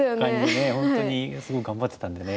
本当にすごい頑張ってたんでね